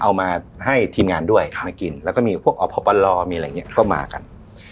เอามาให้ทีมงานด้วยมากินแล้วก็มีพวกอพปลมีอะไรอย่างนี้ก็มากัน